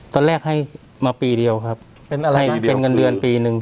ตอนแรกให้มาปีเดียวครับเป็นอะไรเป็นเงินเดือนปีหนึ่ง